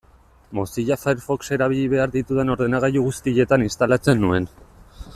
Mozilla Firefox erabili behar ditudan ordenagailu guztietan instalatzen nuen.